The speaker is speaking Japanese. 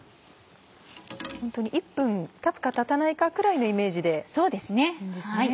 ホントに１分経つか経たないかくらいのイメージでいいんですね。